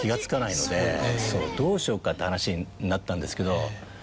どうしようかって話になったんですけど。